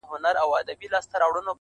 هغه ستا د ابا مېنه تالا سوې!